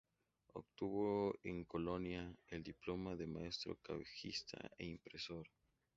Obtuvo en Colonia el diploma de maestro cajista e impresor.